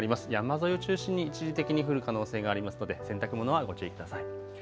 山沿いを中心に一時的に降る可能性がありますので洗濯物、ご注意ください。